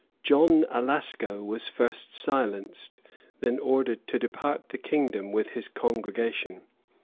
[] John Alasco was first silenced, then ordered to depart the kingdom with his congregation.